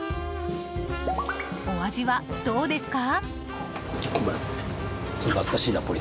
お味はどうですか？